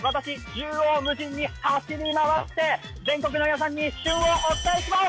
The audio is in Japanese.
縦横無尽に走り回って全国の皆さんに旬をお伝えします